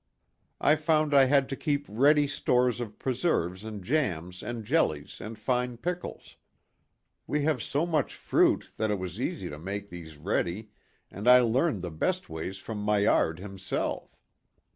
I found I had to keep ready stores of preserves and jams and jellies and fine pickles. We have so much fruit that it was easy PLAY AND WORK. 83 to make these ready and I learned the best ways from Mailliard * himself.